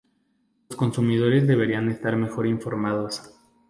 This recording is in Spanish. Los consumidores deberían estar mejor informados.